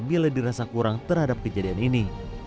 bila dirasa kurang terhadap kejadian ini